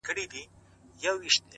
• ما یي پر غاړه آتڼونه غوښتل,